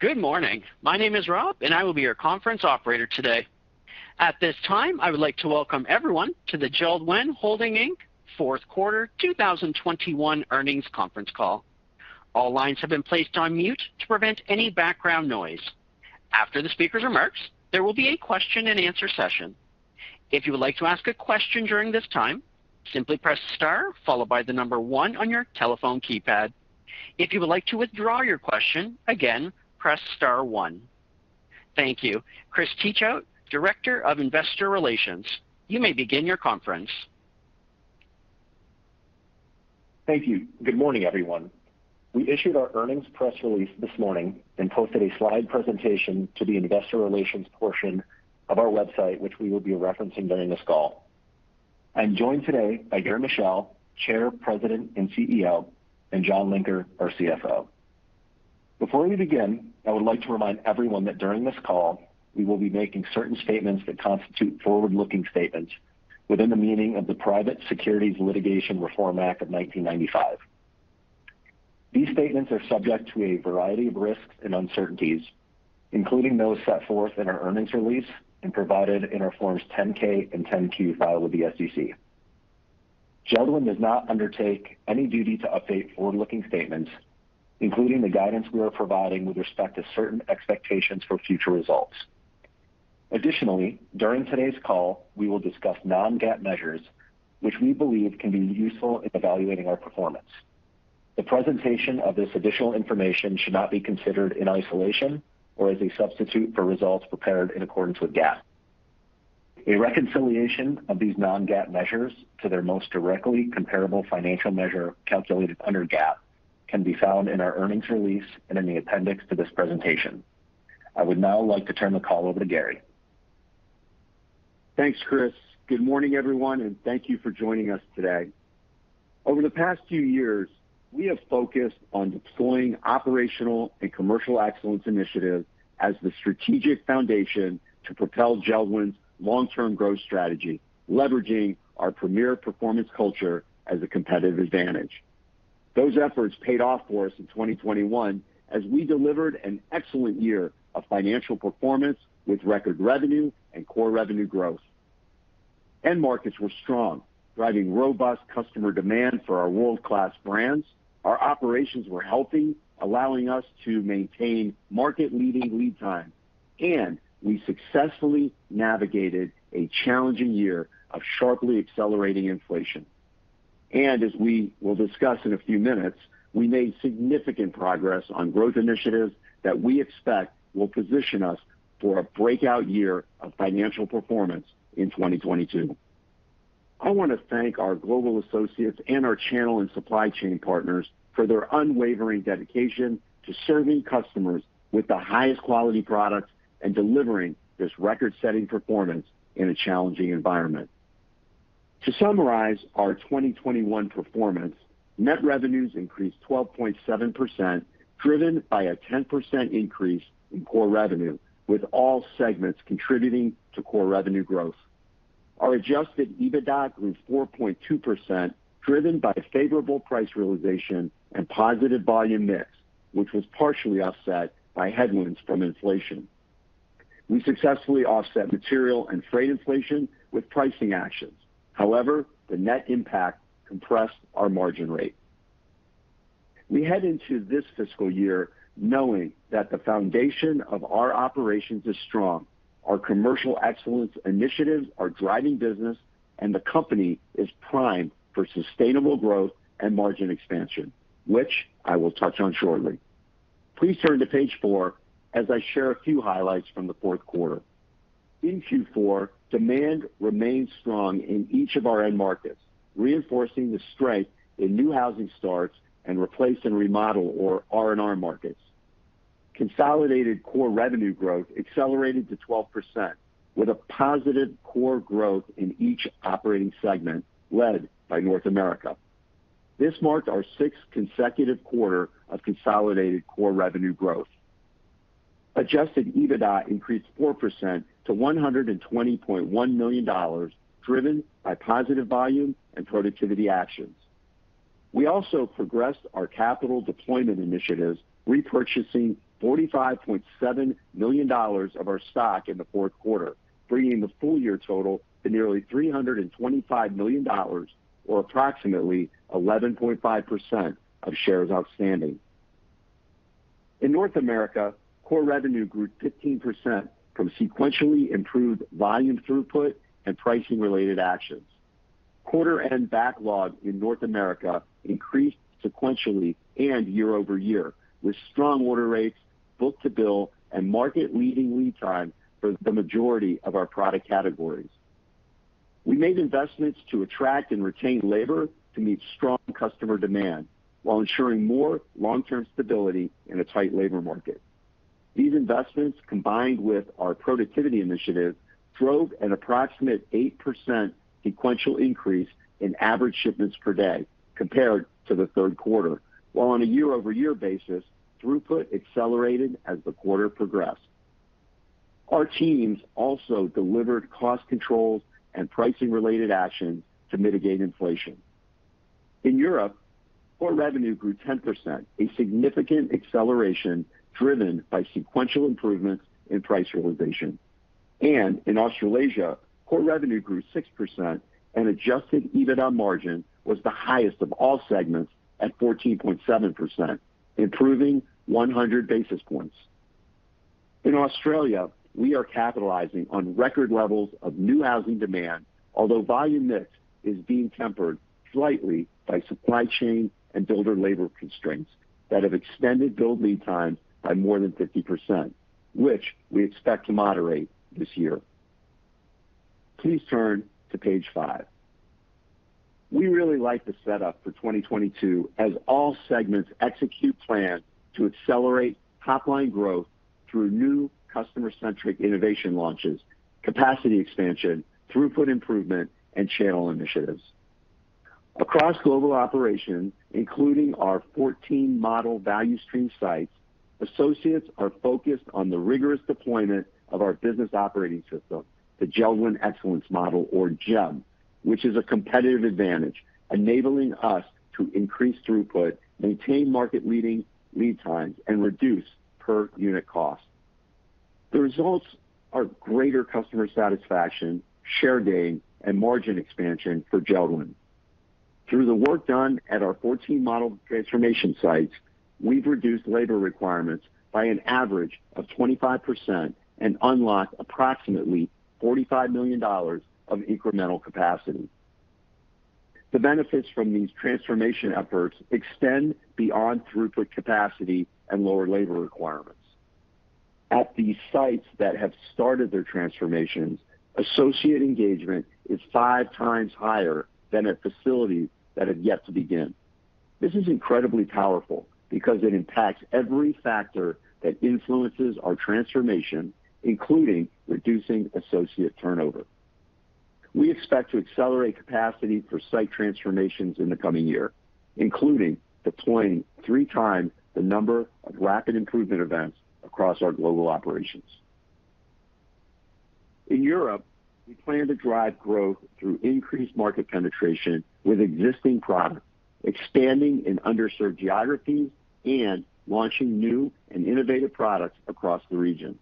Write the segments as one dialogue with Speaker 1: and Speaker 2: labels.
Speaker 1: Good morning. My name is Rob, and I will be your conference operator today. At this time, I would like to welcome everyone to the JELD-WEN Holding, Inc. Q4 2021 earnings conference call. All lines have been placed on mute to prevent any background noise. After the speaker's remarks, there will be a question and answer session. If you would like to ask a question during this time, simply press star followed by the number one on your telephone keypad. If you would like to withdraw your question, again, press star one. Thank you. Chris Teachout, Director of Investor Relations, you may begin your conference.
Speaker 2: Thank you. Good morning, everyone. We issued our earnings press release this morning and posted a slide presentation to the investor relations portion of our website, which we will be referencing during this call. I'm joined today by Gary Michel, Chair, President, and CEO, and John Linker, our CFO. Before we begin, I would like to remind everyone that during this call, we will be making certain statements that constitute forward-looking statements within the meaning of the Private Securities Litigation Reform Act of 1995. These statements are subject to a variety of risks and uncertainties, including those set forth in our earnings release and provided in our forms 10-K and 10-Q filed with the SEC. JELD-WEN does not undertake any duty to update forward-looking statements, including the guidance we are providing with respect to certain expectations for future results. Additionally, during today's call, we will discuss non-GAAP measures which we believe can be useful in evaluating our performance. The presentation of this additional information should not be considered in isolation or as a substitute for results prepared in accordance with GAAP. A reconciliation of these non-GAAP measures to their most directly comparable financial measure calculated under GAAP can be found in our earnings release and in the appendix to this presentation. I would now like to turn the call over to Gary.
Speaker 3: Thanks, Chris. Good morning, everyone, and thank you for joining us today. Over the past few years, we have focused on deploying operational and commercial excellence initiatives as the strategic foundation to propel JELD-WEN's long-term growth strategy, leveraging our premier performance culture as a competitive advantage. Those efforts paid off for us in 2021 as we delivered an excellent year of financial performance with record revenue and core revenue growth. End markets were strong, driving robust customer demand for our world-class brands. Our operations were healthy, allowing us to maintain market-leading lead time. And we successfully navigated a challenging year of sharply accelerating inflation. And as we will discuss in a few minutes, we made significant progress on growth initiatives that we expect will position us for a breakout year of financial performance in 2022. I wanna thank our global associates and our channel and supply chain partners for their unwavering dedication to serving customers with the highest quality products and delivering this record-setting performance in a challenging environment. To summarize our 2021 performance, net revenues increased 12.7%, driven by a 10% increase in core revenue, with all segments contributing to core revenue growth. Our adjusted EBITDA grew 4.2%, driven by favorable price realization and positive volume mix, which was partially offset by headwinds from inflation. We successfully offset material and freight inflation with pricing actions. However, the net impact compressed our margin rate. We head into this fiscal year knowing that the foundation of our operations is strong, our commercial excellence initiatives are driving business, and the company is primed for sustainable growth and margin expansion, which I will touch on shortly. Please turn to page four as I share a few highlights from the Q4. In Q4, demand remained strong in each of our end markets, reinforcing the strength in new housing starts and replace and remodel or R&R markets. Consolidated core revenue growth accelerated to 12% with a positive core growth in each operating segment led by North America. This marked our sixth consecutive quarter of consolidated core revenue growth. Adjusted EBITDA increased 4% to $120.1 million, driven by positive volume and productivity actions. We also progressed our capital deployment initiatives, repurchasing $45.7 million of our stock in the Q4, bringing the full year total to nearly $325 million or approximately 11.5% of shares outstanding. In North America, core revenue grew 15% from sequentially improved volume throughput and pricing-related actions. Quarter-end backlog in North America increased sequentially and year-over-year with strong order rates, book-to-bill, and market-leading lead time for the majority of our product categories. We made investments to attract and retain labor to meet strong customer demand while ensuring more long-term stability in a tight labor market. These investments, combined with our productivity initiatives, drove an approximate 8% sequential increase in average shipments per day compared to the Q3, while on a year-over-year basis, throughput accelerated as the quarter progressed. Our teams also delivered cost controls and pricing-related actions to mitigate inflation. In Europe, core revenue grew 10%, a significant acceleration driven by sequential improvements in price realization. And in Australasia, core revenue grew 6% and adjusted EBITDA margin was the highest of all segments at 14.7%, improving 100 basis points. In Australia, we are capitalizing on record levels of new housing demand, although volume mix is being tempered slightly by supply chain and builder labor constraints that have extended build lead times by more than 50%, which we expect to moderate this year. Please turn to page five. We really like the setup for 2022 as all segments execute plans to accelerate top-line growth through new customer-centric innovation launches, capacity expansion, throughput improvement, and channel initiatives. Across global operations, including our 14 model value stream sites, associates are focused on the rigorous deployment of our business operating system, the JELD-WEN Excellence Model, or JEM, which is a competitive advantage, enabling us to increase throughput, maintain market leading lead times, and reduce per unit cost. The results are greater customer satisfaction, share gain, and margin expansion for JELD-WEN. Through the work done at our 14 model transformation sites, we've reduced labor requirements by an average of 25% and unlocked approximately $45 million of incremental capacity. The benefits from these transformation efforts extend beyond throughput capacity and lower labor requirements. At the sites that have started their transformations, associate engagement is 5x higher than at facilities that have yet to begin. This is incredibly powerful because it impacts every factor that influences our transformation, including reducing associate turnover. We expect to accelerate capacity for site transformations in the coming year, including deploying 3x the number of rapid improvement events across our global operations. In Europe, we plan to drive growth through increased market penetration with existing products, expanding in underserved geographies, and launching new and innovative products across the region.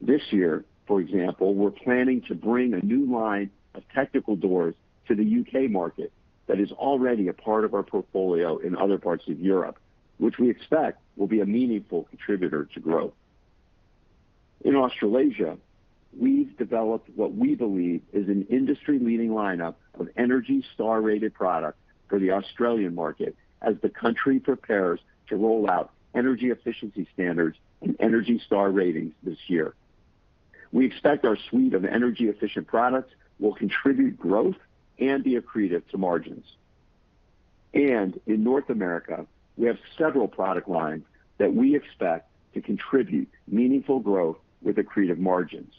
Speaker 3: This year, for example, we're planning to bring a new line of technical doors to the U.K. market that is already a part of our portfolio in other parts of Europe, which we expect will be a meaningful contributor to growth. In Australasia, we've developed what we believe is an industry-leading lineup of ENERGY STAR-rated products for the Australian market as the country prepares to roll out energy efficiency standards and ENERGY STAR ratings this year. We expect our suite of energy-efficient products will contribute growth and be accretive to margins. And in North America, we have several product lines that we expect to contribute meaningful growth with accretive margins.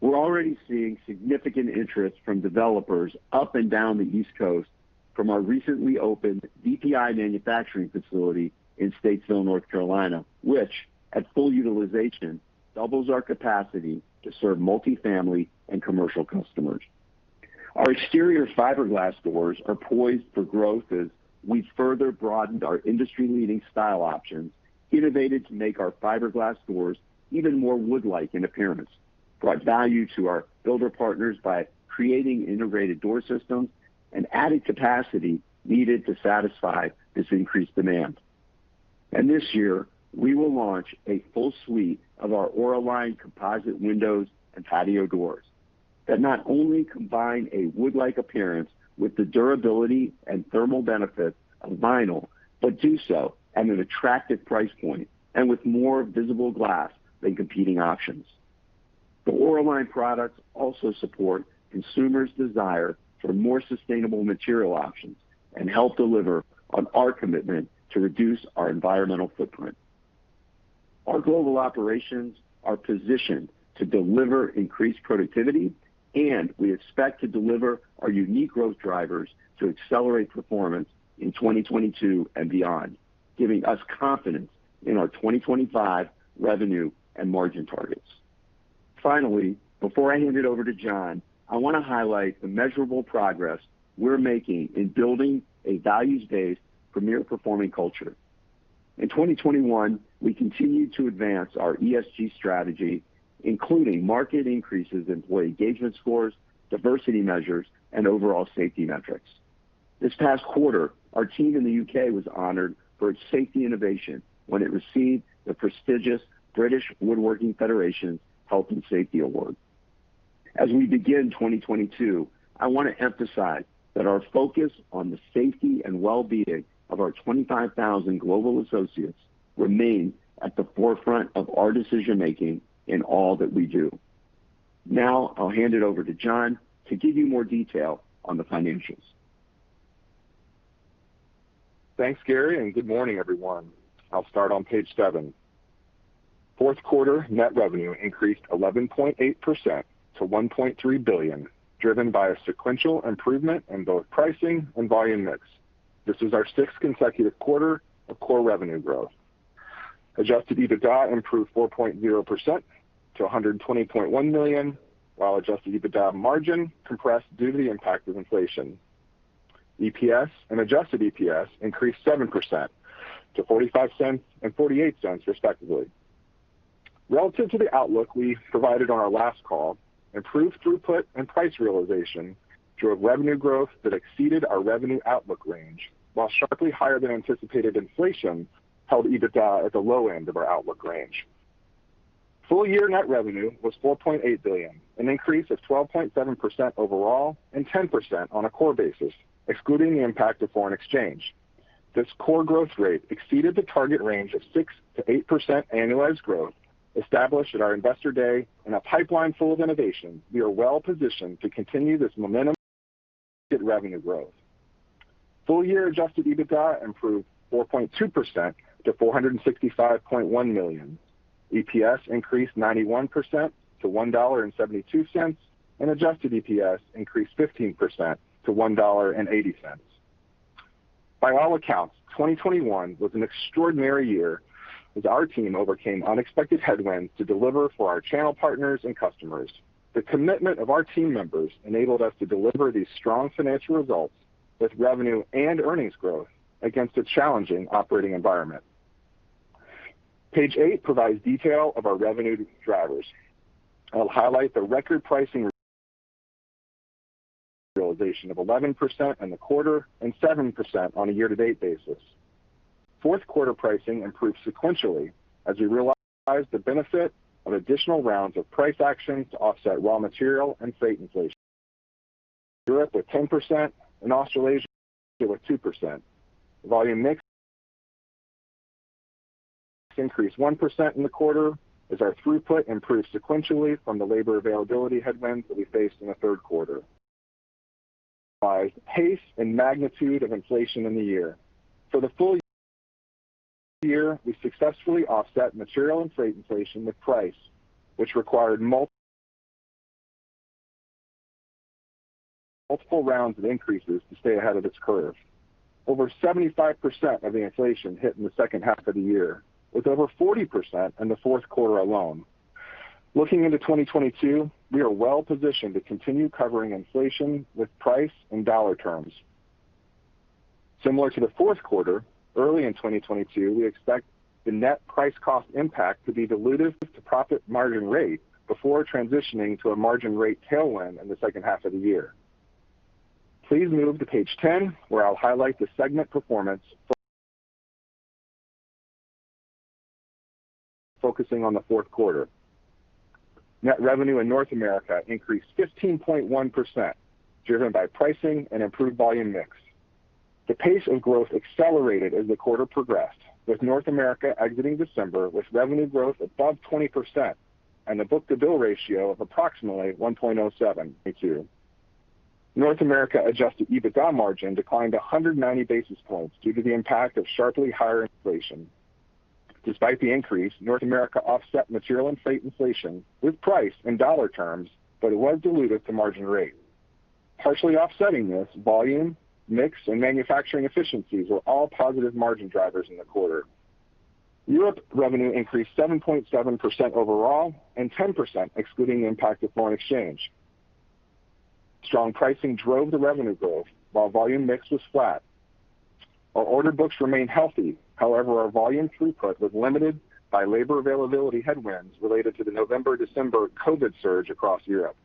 Speaker 3: We're already seeing significant interest from developers up and down the East Coast from our recently opened VPI manufacturing facility in Statesville, North Carolina, which at full utilization doubles our capacity to serve multi-family and commercial customers. Our exterior fiberglass doors are poised for growth as we've further broadened our industry-leading style options, innovated to make our fiberglass doors even more wood-like in appearance, brought value to our builder partners by creating integrated door systems, and added capacity needed to satisfy this increased demand. And this year, we will launch a full suite of our Auraline composite windows and patio doors that not only combine a wood-like appearance with the durability and thermal benefits of vinyl, but do so at an attractive price point and with more visible glass than competing options. The Auraline products also support consumers' desire for more sustainable material options and help deliver on our commitment to reduce our environmental footprint. Our global operations are positioned to deliver increased productivity, and we expect to deliver our unique growth drivers to accelerate performance in 2022 and beyond, giving us confidence in our 2025 revenue and margin targets. Finally, before I hand it over to John, I wanna highlight the measurable progress we're making in building a values-based, premier performing culture. In 2021, we continued to advance our ESG strategy, including marked increases in employee engagement scores, diversity measures, and overall safety metrics. This past quarter, our team in the U.K. was honored for its safety innovation when it received the prestigious British Woodworking Federation Health and Safety Award. As we begin 2022, I wanna emphasize that our focus on the safety and well-being of our 25,000 global associates remain at the forefront of our decision-making in all that we do. Now, I'll hand it over to John to give you more detail on the financials.
Speaker 4: Thanks, Gary, and good morning, everyone. I'll start on page seven. Q4 net revenue increased 11.8% to $1.3 billion, driven by a sequential improvement in both pricing and volume mix. This is our sixth consecutive quarter of core revenue growth. Adjusted EBITDA improved 4.0% to $120.1 million, while adjusted EBITDA margin compressed due to the impact of inflation. EPS and adjusted EPS increased 7% to $0.45 and $0.48, respectively. Relative to the outlook we provided on our last call, improved throughput and price realization drove revenue growth that exceeded our revenue outlook range, while sharply higher than anticipated inflation held EBITDA at the low end of our outlook range. Full year net revenue was $4.8 billion, an increase of 12.7% overall and 10% on a core basis, excluding the impact of foreign exchange. This core growth rate exceeded the target range of 6%-8% annualized growth established at our investor day and a pipeline full of innovation. We are well-positioned to continue this momentum revenue growth. Full year adjusted EBITDA improved 4.2% to $465.1 million. EPS increased 91% to $1.72, and adjusted EPS increased 15% to $1.80. By all accounts, 2021 was an extraordinary year as our team overcame unexpected headwinds to deliver for our channel partners and customers. The commitment of our team members enabled us to deliver these strong financial results with revenue and earnings growth against a challenging operating environment. Page eight provides detail of our revenue drivers. I'll highlight the record pricing realization of 11% in the quarter and 7% on a year-to-date basis. Q4 pricing improved sequentially as we realized the benefit of additional rounds of price action to offset raw material and freight inflation in Europe with 10% and Australasia with 2%. Volume mix increased 1% in the quarter as our throughput improved sequentially from the labor availability headwinds that we faced in the Q3. By pace and magnitude of inflation in the year. For the full year, we successfully offset material and freight inflation with price, which required multiple rounds of increases to stay ahead of this curve. Over 75% of the inflation hit in the second half of the year, with over 40% in the Q4 alone. Looking into 2022, we are well positioned to continue covering inflation with price in dollar terms. Similar to the Q4, early in 2022, we expect the net price cost impact to be dilutive to profit margin rate before transitioning to a margin rate tailwind in the second half of the year. Please move to page 10, where I'll highlight the segment performance focusing on the Q4. Net revenue in North America increased 15.1%, driven by pricing and improved volume mix. The pace of growth accelerated as the quarter progressed, with North America exiting December with revenue growth above 20% and a book-to-bill ratio of approximately 1.07. North America adjusted EBITDA margin declined 190 basis points due to the impact of sharply higher inflation. Despite the increase, North America offset material and freight inflation with price in dollar terms, but it was dilutive to margin rate. Partially offsetting this, volume, mix, and manufacturing efficiencies were all positive margin drivers in the quarter. Europe revenue increased 7.7% overall and 10% excluding the impact of foreign exchange. Strong pricing drove the revenue growth while volume mix was flat. Our order books remain healthy. However, our volume throughput was limited by labor availability headwinds related to the November-December COVID surge across Europe.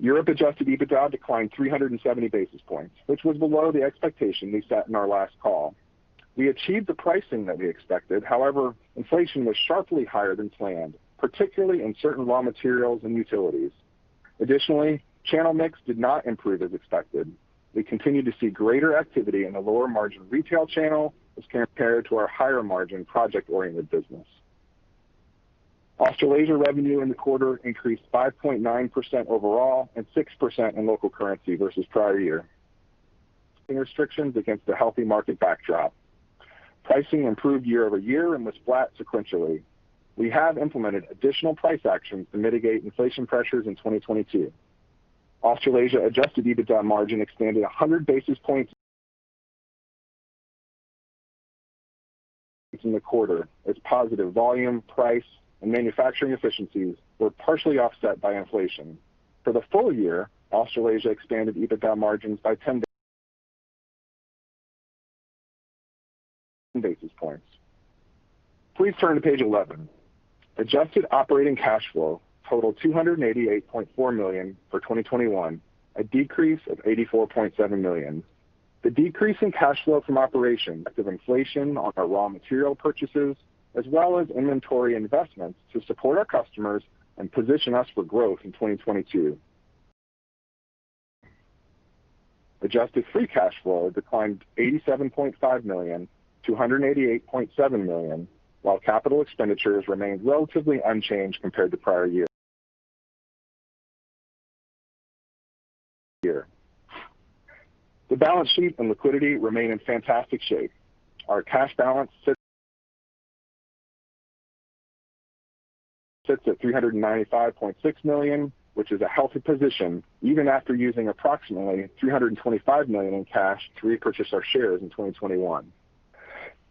Speaker 4: Europe adjusted EBITDA declined 370 basis points, which was below the expectation we set in our last call. We achieved the pricing that we expected. However, inflation was sharply higher than planned, particularly in certain raw materials and utilities. Additionally, channel mix did not improve as expected. We continued to see greater activity in the lower margin retail channel as compared to our higher margin project-oriented business. Australasia revenue in the quarter increased 5.9% overall and 6% in local currency versus prior year against a healthy market backdrop. Pricing improved year-over-year and was flat sequentially. We have implemented additional price actions to mitigate inflation pressures in 2022. Australasia adjusted EBITDA margin expanded 100 basis points in the quarter as positive volume, price, and manufacturing efficiencies were partially offset by inflation. For the full year, Australasia expanded EBITDA margins by 10 basis points. Please turn to page 11. Adjusted operating cash flow totaled $288.4 million for 2021, a decrease of $84.7 million. The decrease in cash flow from operations was due to inflation on our raw material purchases as well as inventory investments to support our customers and position us for growth in 2022. Adjusted free cash flow declined $87.5 million to $188.7 million, while capital expenditures remained relatively unchanged compared to prior year. The balance sheet and liquidity remain in fantastic shape. Our cash balance sits at $395.6 million, which is a healthy position even after using approximately $325 million in cash to repurchase our shares in 2021.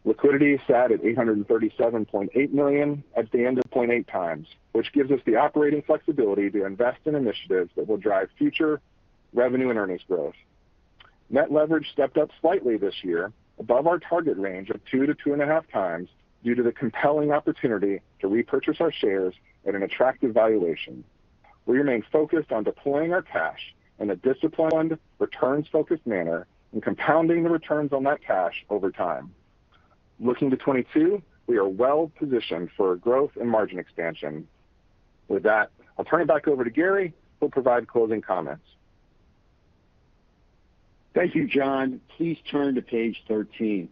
Speaker 4: Liquidity sat at $837.8 million at the end of the year at 0.8x, which gives us the operating flexibility to invest in initiatives that will drive future revenue and earnings growth. Net leverage stepped up slightly this year above our target range of 2-2.5x due to the compelling opportunity to repurchase our shares at an attractive valuation. We remain focused on deploying our cash in a disciplined, returns-focused manner and compounding the returns on that cash over time. Looking to 2022, we are well positioned for growth and margin expansion. With that, I'll turn it back over to Gary, who will provide closing comments.
Speaker 3: Thank you, John. Please turn to page 13.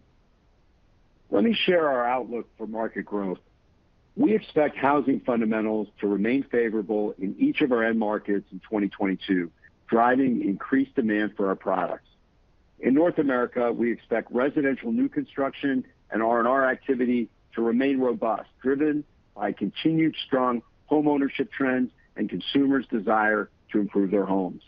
Speaker 3: Let me share our outlook for market growth. We expect housing fundamentals to remain favorable in each of our end markets in 2022, driving increased demand for our products. In North America, we expect residential new construction and R&R activity to remain robust, driven by continued strong homeownership trends and consumers' desire to improve their homes.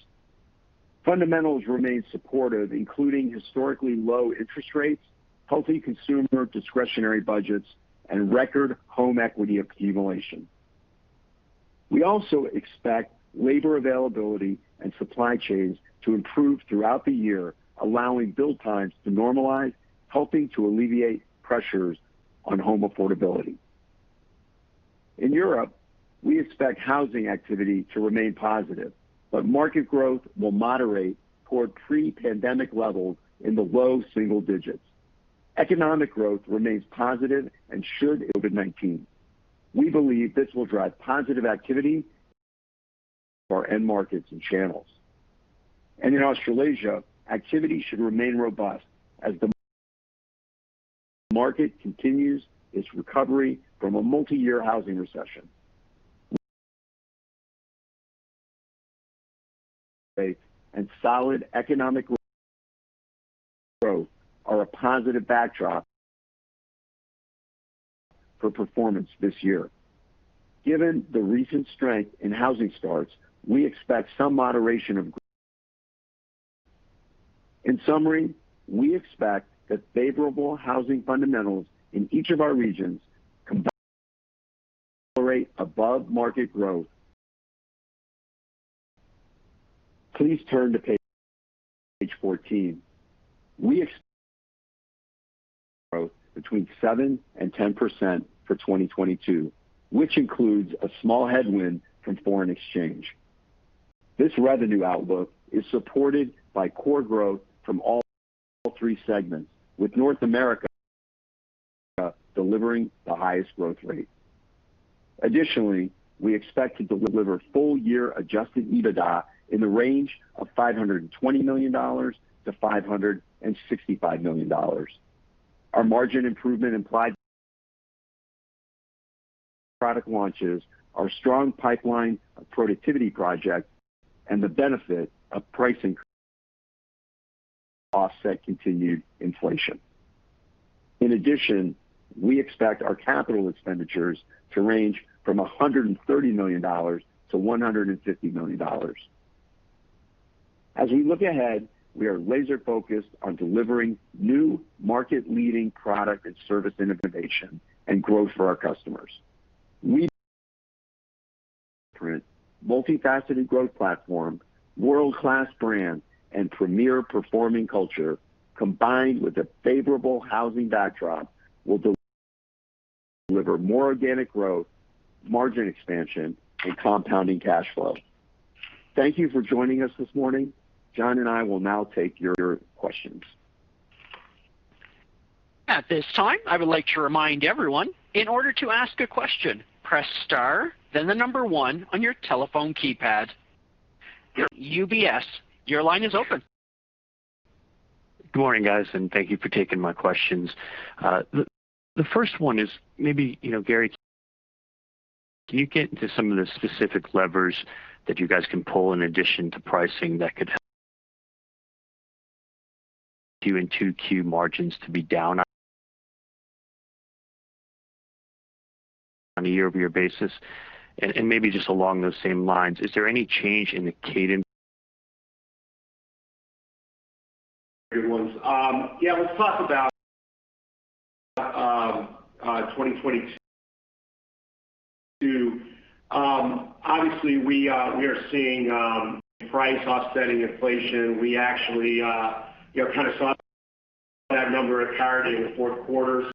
Speaker 3: Fundamentals remain supportive, including historically low interest rates, healthy consumer discretionary budgets, and record home equity accumulation. We also expect labor availability and supply chains to improve throughout the year, allowing build times to normalize, helping to alleviate pressures on home affordability. In Europe, we expect housing activity to remain positive, but market growth will moderate toward pre-pandemic levels in the low single digits. Economic growth remains positive. We believe this will drive positive activity for our end markets and channels. In Australasia, activity should remain robust as the market continues its recovery from a multiyear housing recession. Solid economic growth is a positive backdrop for performance this year. Given the recent strengths and housing we expect some moderations of. In summary, we expect favorable housing fundamentals in each of our regions to accelerate above-market growth. Please turn to page 14. We expect between 7% and 10% for 2022, which includes a small headwind from foreign exchange. This revenue outlook is supported by core growth from all three segments, with North America delivering the highest growth rate. Additionally, we expect to deliver full-year adjusted EBITDA in the range of $520 million-$565 million. Our margin improvement from product launches, our strong pipeline of productivity projects, and the benefit of pricing offset continued inflation. In addition, we expect our capital expenditures to range from $130 million-$150 million. As we look ahead, we are laser-focused on delivering new market-leading product and service innovation and growth for our customers. Our multifaceted growth platform, world-class brand, and premier performing culture, combined with a favorable housing backdrop, will deliver more organic growth, margin expansion, and compounding cash flow. Thank you for joining us this morning. John and I will now take your questions.
Speaker 1: At this time, I would like to remind everyone, in order to ask a question, press star, then the number one on your telephone keypad. UBS, your line is open.
Speaker 5: Good morning, guys, and thank you for taking my questions. The first one is maybe, you know, Gary, can you get into some of the specific levers that you guys can pull in addition to pricing that could help you in 2Q margins to be down on a year-over-year basis? And maybe just along those same lines, is there any change in the cadence-
Speaker 3: Great ones. Yeah, let's talk about 2022. Obviously, we are seeing price offsetting inflation. We actually, you know, kind of saw that number occur in the Q4,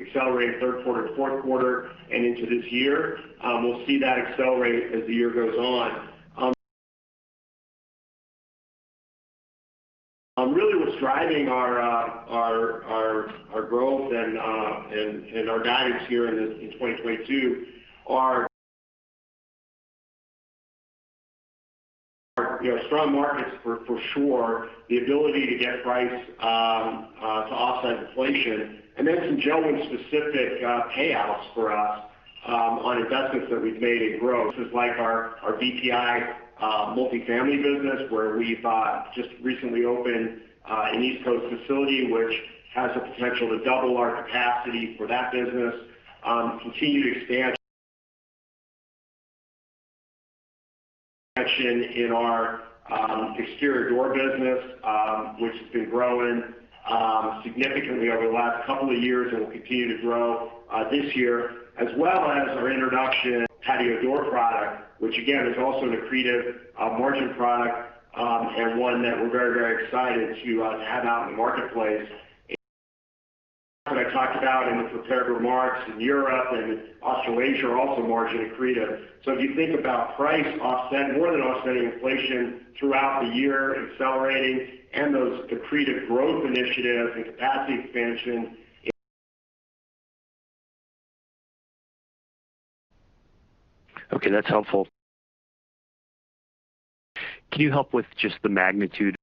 Speaker 3: accelerated Q3-Q4 and into this year. We'll see that accelerate as the year goes on. Really what's driving our, our, our growth and our guidance here in 2022 are, you know, strong markets for sure. The ability to get price to offset inflation. And then some genuine specific payouts for us on investments that we've made in growth. So this is like our VPI multifamily business, where we've just recently opened an East Coast facility, which has the potential to double our capacity for that business continue to expand- In our exterior door business, which has been growing significantly over the last couple of years and will continue to grow this year. As well as our introduction patio door product, which again, is also an accretive margin product, and one that we're very, very excited to have out in the marketplace. That I talked about in the prepared remarks in Europe and Australasia are also margin accretive. So if you think about price offset more than offsetting inflation throughout the year, accelerating and those accretive growth initiatives and capacity expansion.
Speaker 5: Okay, that's helpful. Can you help with just the magnitude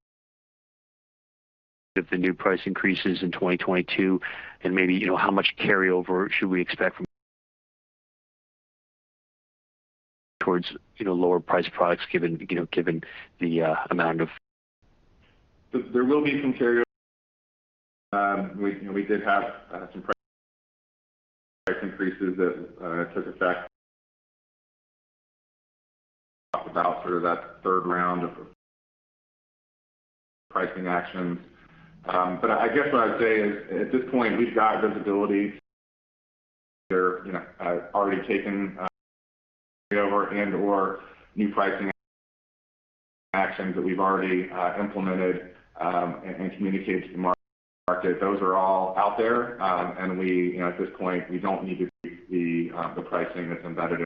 Speaker 5: of the new price increases in 2022 and maybe, you know, how much carryover should we expect from towards, you know, lower priced products given, you know, given the amount of-
Speaker 3: There will be some carryover. We, you know, did have some price increases that took effect. Talk about sort of that third round of pricing actions. But I guess what I'd say is, at this point, we've got visibility. They're, you know, already taking carryover and/or new pricing actions that we've already implemented, and communicated to the market. Those are all out there. And we, you know, at this point, we don't need to see the pricing that's embedded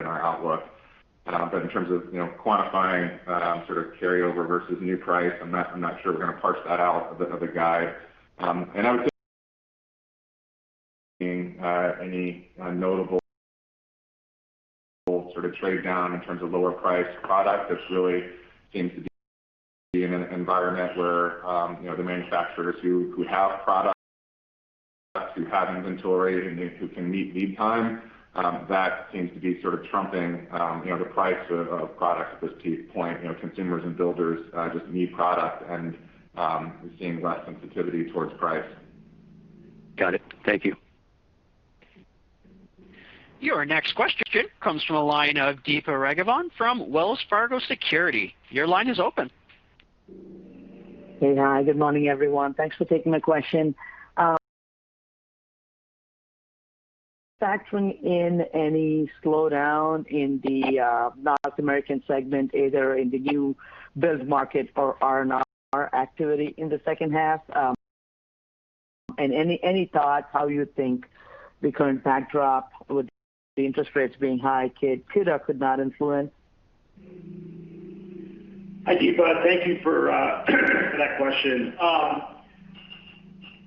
Speaker 3: in our outlook. And in terms of, you know, quantifying sort of carryover versus new price, I'm not sure we're gonna parse that out of the guide. And I would say any notable sort of trade down in terms of lower priced product just really seems to be in an environment where, you know, the manufacturers who have product, who have inventory and who can meet lead time, that seems to be sort of trumping, you know, the price of products at this point. You know, consumers and builders just need product and we're seeing less sensitivity towards price.
Speaker 5: Got it. Thank you.
Speaker 1: Your next question comes from a line of Deepa Raghavan from Wells Fargo Securities. Your line is open.
Speaker 6: Hey. Hi, good morning, everyone. Thanks for taking my question factoring in any slowdown in the North American segment, either in the new build market or R&R activity in the second half, any thoughts how you think the current backdrop would, the interest rates being high, could or could not influence?
Speaker 3: Hi, Deepa. Thank you for that question.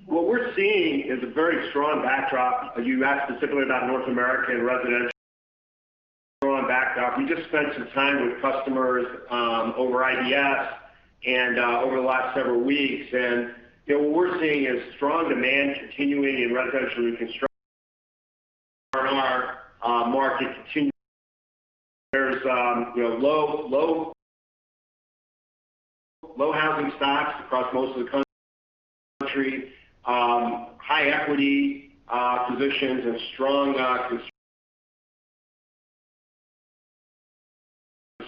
Speaker 3: What we're seeing is a very strong backdrop. But you asked specifically about North American residential. Strong backdrop. We just spent some time with customers over IBS and over the last several weeks. And, you know, what we're seeing is strong demand continuing in residential construction. R&R market continue. There's, you know, low housing stocks across most of the country. High equity positions and strong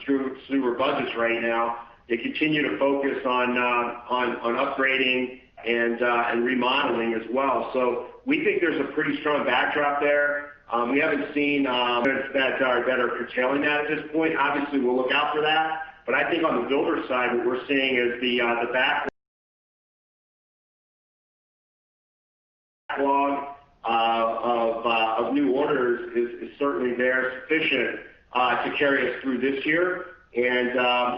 Speaker 3: consumer budgets right now. They continue to focus on upgrading and remodeling as well. So we think there's a pretty strong backdrop there. We haven't seen events that are curtailing that at this point. Obviously, we'll look out for that. But I think on the builder side, what we're seeing is the backlog of new orders is certainly there, sufficient to carry us through this year. And,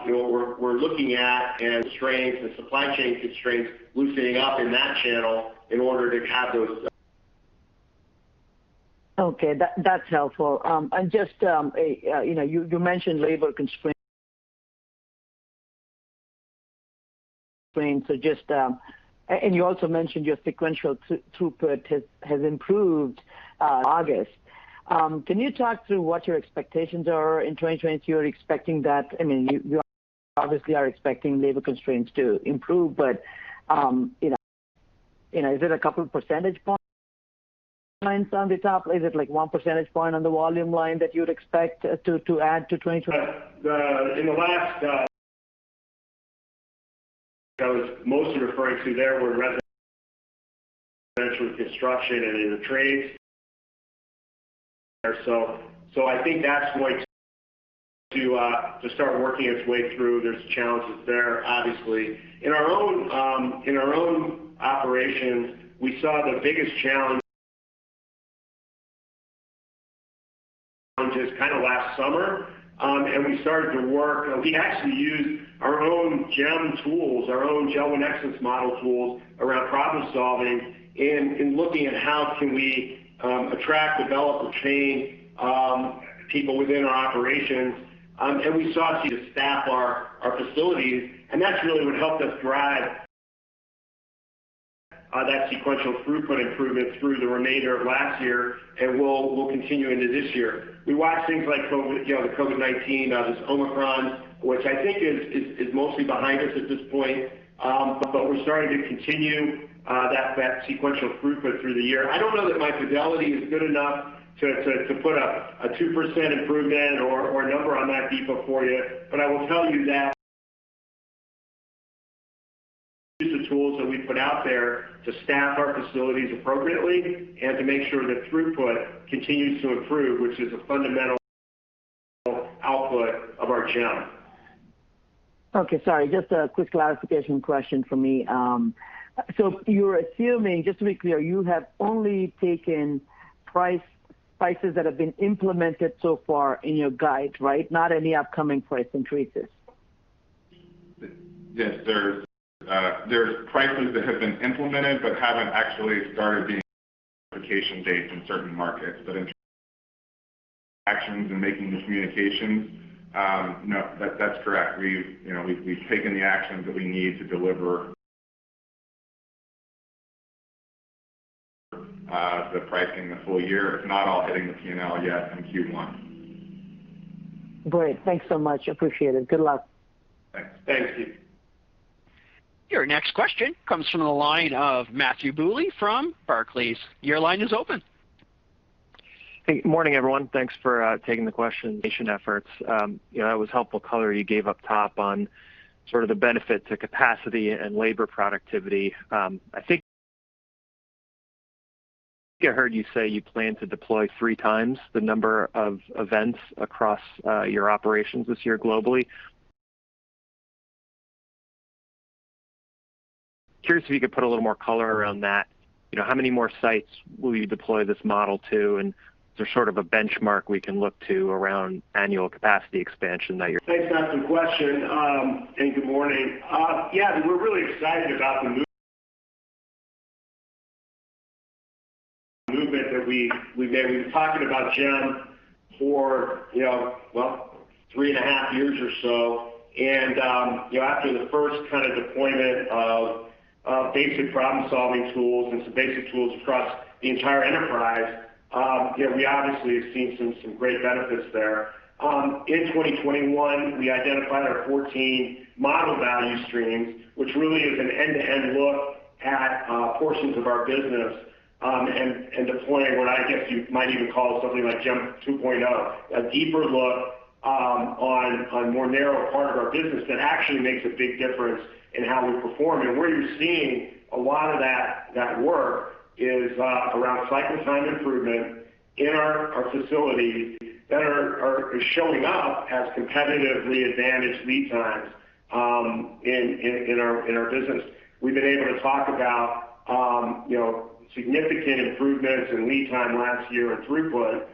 Speaker 3: you know, we're looking at constraints and supply chain constraints loosening up in that channel in order to have those-
Speaker 6: Okay, that's helpful. And just, you know, you mentioned labor constraints. So just, and you also mentioned your sequential throughput has improved in August. Can you talk through what your expectations are in 2020? You're expecting that, I mean, you obviously are expecting labor constraints to improve, but, you know, is it a couple percentage points on the top? Is it like one percentage point on the volume line that you'd expect to add to 2020-
Speaker 3: In the last, I was mostly referring to the residential construction and in the trades. So I think that's going to start working its way through. There's challenges there, obviously. In our own operations, we saw the biggest challenge is kind of last summer. And we started to work. We actually used our own JEM tools, our own JEM Excellence Model tools around problem-solving and looking at how can we attract, develop, retain people within our operations. And we sought to staff our facilities, and that's really what helped us drive that sequential throughput improvement through the remainder of last year and will continue into this year. We watched things like COVID, you know, the COVID-19, this Omicron, which I think is mostly behind us at this point. But we're starting to continue that sequential throughput through the year. I don't know that my visibility is good enough to put a 2% improvement or a number on that, Deepa, for you. But I will tell you that we use the tools that we put out there to staff our facilities appropriately and to make sure that throughput continues to improve, which is a fundamental output of our JEM.
Speaker 6: Okay. Sorry, just a quick clarification question for me. You're assuming, just to be clear, you have only taken prices that have been implemented so far in your guide, right? Not any upcoming price increases.
Speaker 3: Yes. There's prices that have been implemented but haven't actually started the application dates in certain markets. In terms of actions and making the communications, no, that's correct. We've you know taken the actions that we need to deliver the pricing the full year. It's not all hitting the P&L yet in Q1.
Speaker 6: Great. Thanks so much. Appreciate it. Good luck.
Speaker 3: Thanks.
Speaker 4: Thank you.
Speaker 1: Your next question comes from the line of Matthew Bouley from Barclays. Your line is open.
Speaker 7: Hey, good morning, everyone. Thanks for taking the question. Kaizen efforts. You know, that was helpful color you gave up top on sort of the benefit to capacity and labor productivity. I think I heard you say you plan to deploy three times the number of events across your operations this year globally. Curious if you could put a little more color around that. You know, how many more sites will you deploy this model to, and is there sort of a benchmark we can look to around annual capacity expansion that you're-
Speaker 3: Thanks, Matt, for the question, and good morning. Yeah, we're really excited about the movement that we've made. We've been talking about JEM for, you know, well, three and a half years or so. And, you know, after the first kind of deployment of basic problem-solving tools and some basic tools across the entire enterprise, you know, we obviously have seen some great benefits there. In 2021, we identified our 14 model value streams, which really is an end-to-end look at portions of our business, and deploying what I guess you might even call something like JEM 2.0, a deeper look on a more narrow part of our business that actually makes a big difference in how we perform. Where you're seeing a lot of that work is around cycle time improvement in our facilities that are showing up as competitively advantaged lead times in, in, in our business. We've been able to talk about, you know, significant improvements in lead time last year and throughput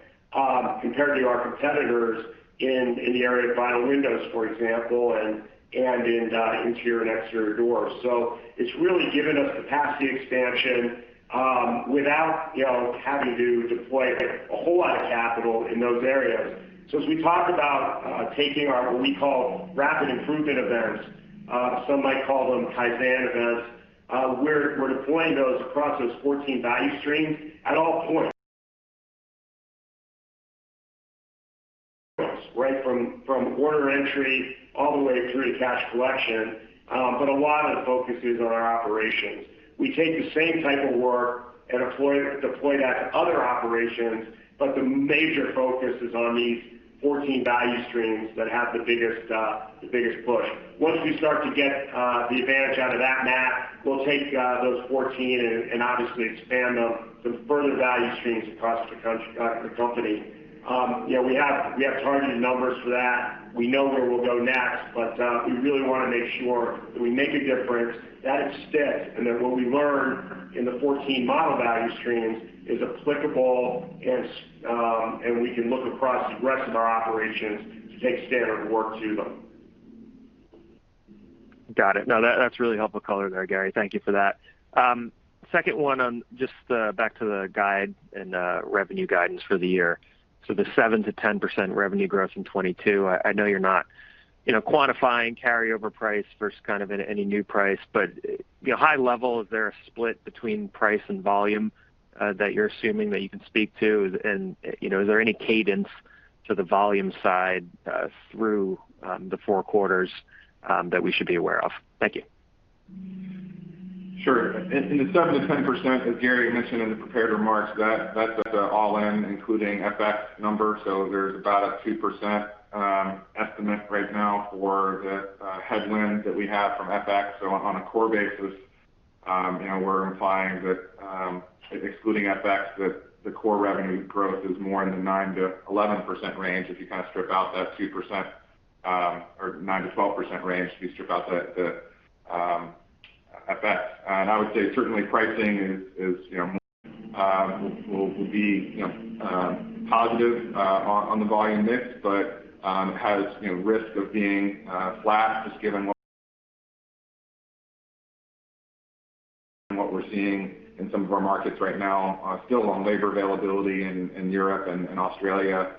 Speaker 3: compared to our competitors in the area of vinyl windows, for example, and in interior and exterior doors. So it's really given us capacity expansion without, you know, having to deploy a whole lot of capital in those areas. So as we talk about taking our, what we call rapid improvement events, some might call them Kaizen events, we're deploying those across those 14 value streams at all points, right? From order entry all the way through to cash collection. A lot of the focus is on our operations. We take the same type of work and deploy that to other operations, but the major focus is on these 14 value streams that have the biggest push. Once we start to get the advantage out of that math, we'll take those 14 and obviously expand them to further value streams across the company. You know, we have targeted numbers for that. We know where we'll go next, but we really wanna make sure that we make a difference, that it sticks, and that what we learn in the 14 model value streams is applicable and we can look across the rest of our operations to take standard work to them.
Speaker 7: Got it. No, that's really helpful color there, Gary. Thank you for that. Second one on just back to the guide and revenue guidance for the year. The 7%-10% revenue growth in 2022, I know you're not quantifying carryover price versus kind of any new price. But your high level, is there a split between price and volume that you're assuming that you can speak to? And, you know, is there any cadence to the volume side through the four quarters that we should be aware of? Thank you.
Speaker 4: Sure. In the 7%-10%, as Gary mentioned in the prepared remarks, that's the all-in including FX number. So there's about a 2% estimate right now for the headwind that we have from FX. So on a core basis, you know, we're implying that, excluding FX, that the core revenue growth is more in the 9%-11% range if you kind of strip out that 2%, or 9%-12% range if you strip out the FX. I would say certainly pricing is you know will be you know positive on the volume mix, but has you know risk of being flat just given what we're seeing in some of our markets right now, still on labor availability in Europe and in Australia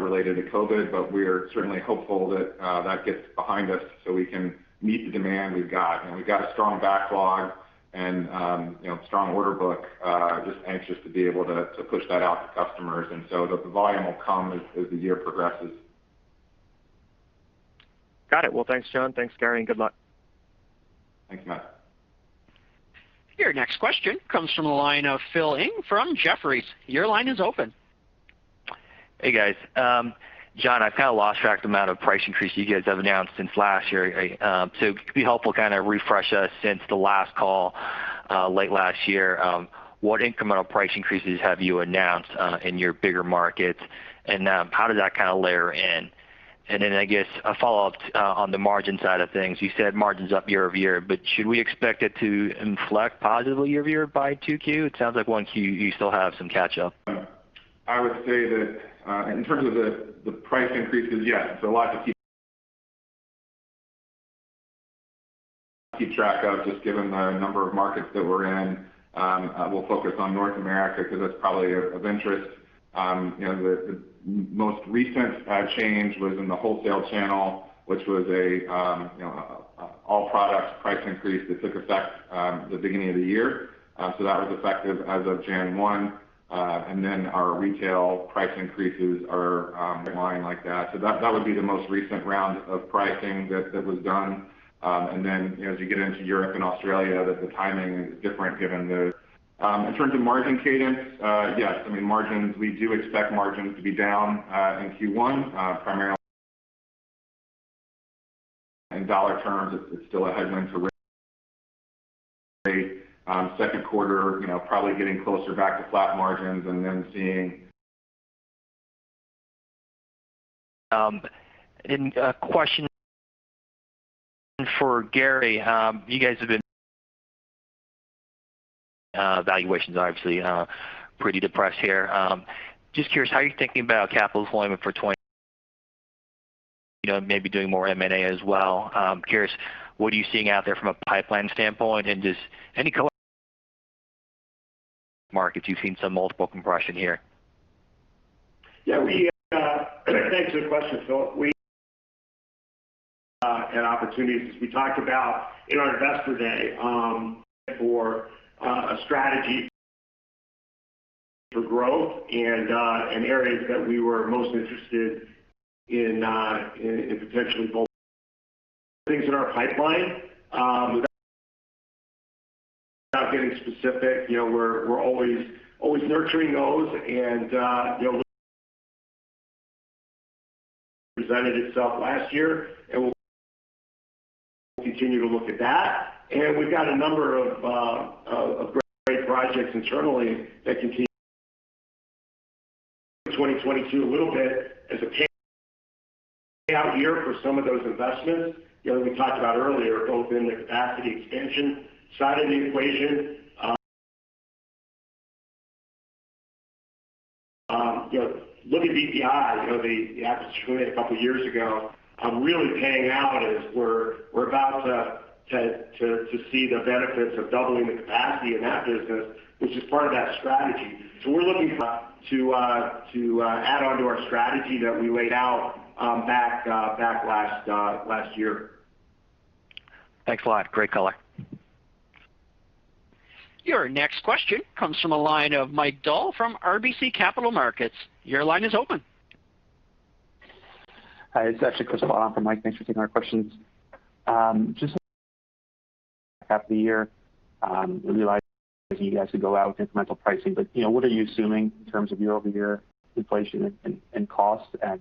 Speaker 4: related to COVID. We are certainly hopeful that that gets behind us so we can meet the demand we've got. You know, we've got a strong backlog and you know strong order book, just anxious to be able to push that out to customers. And so the volume will come as the year progresses.
Speaker 7: Got it. Well, thanks, John. Thanks, Gary, and good luck.
Speaker 3: Thank you, Matt.
Speaker 1: Your next question comes from the line of Philip Ng from Jefferies. Your line is open.
Speaker 8: Hey, guys. John, I've kind of lost track of the amount of price increases you guys have announced since last year. So it'd be helpful to kind of refresh us since the last call, late last year, what incremental price increases have you announced in your bigger markets, and how did that kind of layer in? And then I guess a follow-up on the margin side of things. You said margin's up year-over-year, but should we expect it to inflect positively year-over-year by 2Q? It sounds like 1Q you still have some catch up.
Speaker 4: I would say that in terms of the price increases, yes. A lot to keep track of just given the number of markets that we're in. We'll focus on North America because that's probably of interest. You know, the most recent change was in the wholesale channel, which was a you know all products price increase that took effect the beginning of the year. That was effective as of January 1. And then our retail price increases are in line like that. That would be the most recent round of pricing that was done. And then as you get into Europe and Australia, the timing is different given the. In terms of margin cadence, yes. I mean, margins, we do expect margins to be down in Q1, primarily in dollar terms. It's still a headwind to Q2, you know, probably getting closer back to flat margins and then seeing-
Speaker 8: A question for Gary. Valuations are obviously pretty depressed here. Just curious, how are you thinking about capital deployment, you know, maybe doing more M&A as well. Curious, what are you seeing out there from a pipeline standpoint? Just any core markets you've seen some multiple compression here.
Speaker 3: Yeah. Thanks for the question, Phil. We have opportunities, as we talked about in our Investor Day, for a strategy for growth in areas that we were most interested in, potentially bolt-ons in our pipeline. Without getting specific, you know, we're always nurturing those, and you know, presented itself last year, and we'll continue to look at that. And we've got a number of great projects internally that continue in 2022 a little bit as a payout year for some of those investments. You know, as we talked about earlier, both in the capacity expansion side of the equation, you know, look at VPI, you know, the acquisition a couple of years ago, really paying off as we're about to see the benefits of doubling the capacity in that business, which is part of that strategy. So we're looking forward to, to add onto our strategy that we laid out back last year.
Speaker 8: Thanks a lot. Great color.
Speaker 1: Your next question comes from a line of Mike Dahl from RBC Capital Markets. Your line is open.
Speaker 9: Hi, it's actually Christopher on for Mike. Thanks for taking our questions. Just half the year, realize you guys would go out with incremental pricing, but you know, what are you assuming in terms of year-over-year inflation and cost and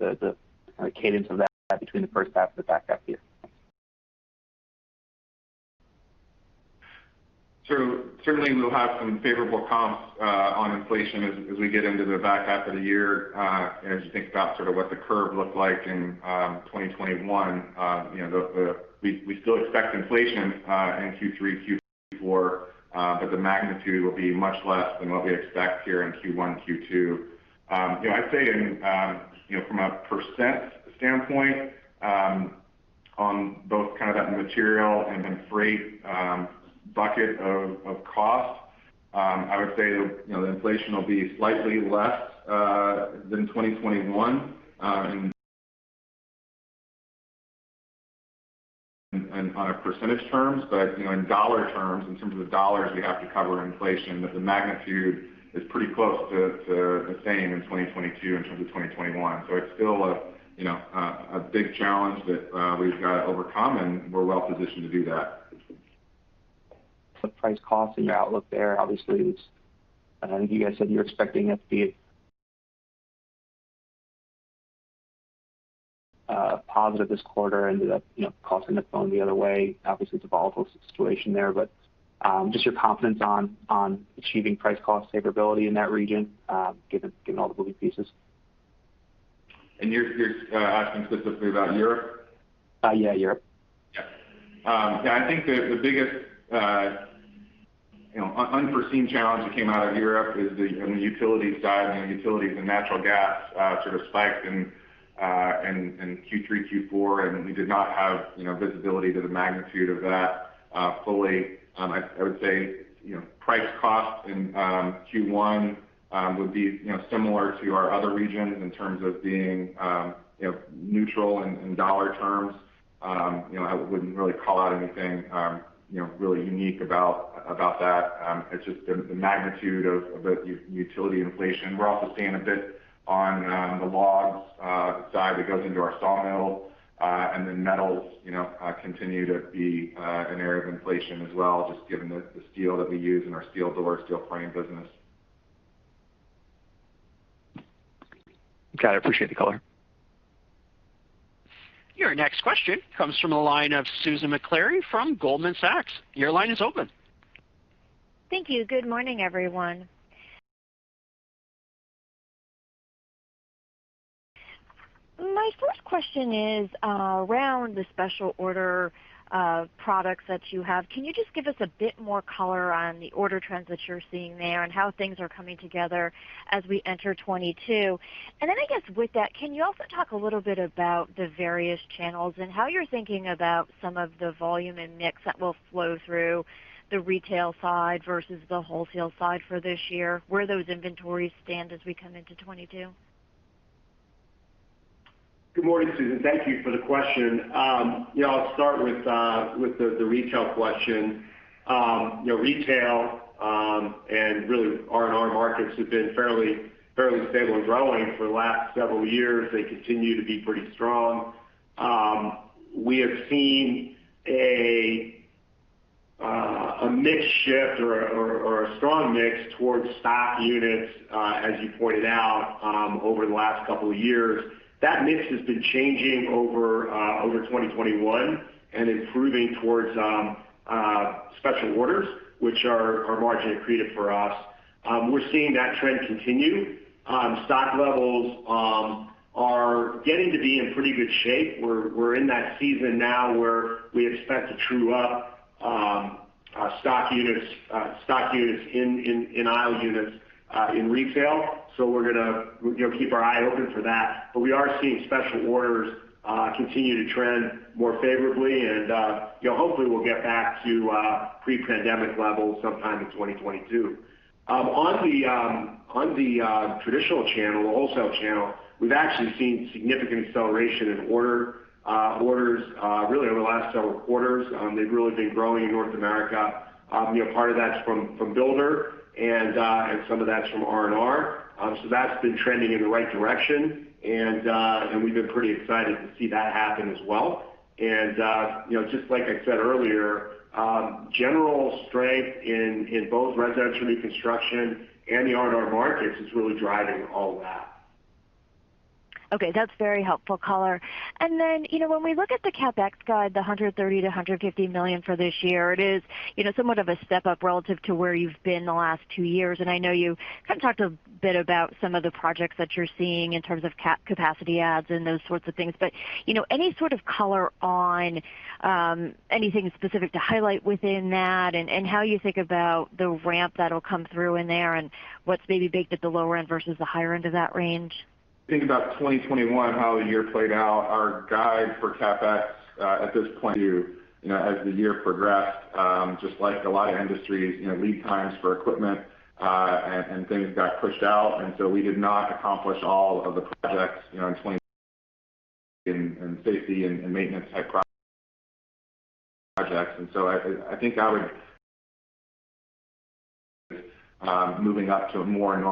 Speaker 9: the cadence of that between the first half and the back half year?
Speaker 4: Certainly we'll have some favorable comps on inflation as we get into the back half of the year. As you think about what the curve looked like in 2021, you know, we still expect inflation in Q3, Q4, but the magnitude will be much less than what we expect here in Q1, Q2. But, you know, I'd say in, you know, from a percent standpoint, on both kind of that material and then freight bucket of cost, I would say that, you know, the inflation will be slightly less than 2021, and on a percentage terms. But, you know, in dollar terms, in terms of the dollars we have to cover inflation, the magnitude is pretty close to the same in 2022 in terms of 2021. But it's still a, you know, big challenge that we've got to overcome, and we're well positioned to do that.
Speaker 9: The price-cost and your outlook there obviously is. I think you guys said you're expecting it to be a positive this quarter, ended up costing in the other way, you know. Obviously, it's a volatile situation there, but just your confidence on achieving price-cost favorability in that region, given all the moving pieces.
Speaker 4: You're asking specifically about Europe?
Speaker 9: Yeah, Europe.
Speaker 4: Yeah. Yeah, I think the biggest unforeseen challenge that came out of Europe is on the utilities side. You know, utilities and natural gas sort of spiked in Q3, Q4, and we did not have visibility to the magnitude of that fully. And I would say price costs in Q1 would be similar to our other regions in terms of being neutral in dollar terms. You know, I wouldn't really call out anything really unique about that. It's just the magnitude of the utility inflation. We're also seeing a bit on the logs side that goes into our sawmill. And then metals, you know, continue to be an area of inflation as well, just given the steel that we use in our steel door, steel frame business.
Speaker 9: Got it. I appreciate the color.
Speaker 1: Your next question comes from the line of Susan Maklari from Goldman Sachs. Your line is open.
Speaker 10: Thank you. Good morning, everyone. My first question is around the special order products that you have. Can you just give us a bit more color on the order trends that you're seeing there and how things are coming together as we enter 2022? And then I guess with that, can you also talk a little bit about the various channels and how you're thinking about some of the volume and mix that will flow through the retail side versus the wholesale side for this year, where those inventories stand as we come into 2022?
Speaker 3: Good morning, Susan. Thank you for the question. You know, I'll start with the retail question. You know, retail and really R&R markets have been fairly stable and growing for the last several years. They continue to be pretty strong. We have seen a mix shift or a strong mix towards stock units as you pointed out over the last couple of years. That mix has been changing over 2021 and improving towards special orders, which are margin accretive for us. We're seeing that trend continue. Stock levels are getting to be in pretty good shape. We're, we're in that season now where we expect to true up stock units, stock units in, in aisle units in retail. So we're gonna, you know, keep our eye open for that. We are seeing special orders continue to trend more favorably and, you know, hopefully we'll get back to pre-pandemic levels sometime in 2022. On the, on the traditional channel, wholesale channel, we've actually seen significant acceleration in orders, orders really over the last several quarters. They've really been growing in North America. You know, part of that's from builder and some of that's from R&R. So that's been trending in the right direction. And we've been pretty excited to see that happen as well. And you know, just like I said earlier, general strength in both residential new construction and the R&R markets is really driving all that.
Speaker 10: Okay, that's very helpful color. And then, you know, when we look at the CapEx guide, the $130 million-$150 million for this year, it is, you know, somewhat of a step-up relative to where you've been the last two years. I know you kind of talked a bit about some of the projects that you're seeing in terms of capacity adds and those sorts of things. You know, any sort of color on anything specific to highlight within that and how you think about the ramp that'll come through in there and what's maybe baked at the lower end versus the higher end of that range?
Speaker 3: Think about 2021, how the year played out, our guide for CapEx at this point, you know, as the year progressed, just like a lot of industries, you know, lead times for equipment and things got pushed out. And so we did not accomplish all of the projects, you know, in 2021, safety and maintenance type projects. And so I think that moving up to a more normal